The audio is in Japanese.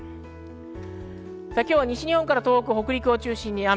今日は西日本から東北、北陸を中心に雨。